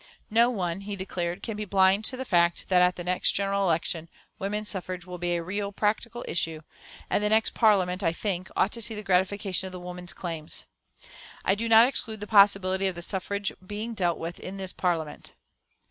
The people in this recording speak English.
"No one," he declared, "can be blind to the fact that at the next general election woman suffrage will be a real, practical issue; and the next Parliament, I think, ought to see the gratification of the women's claims. I do not exclude the possibility of the suffrage being dealt with in this Parliament."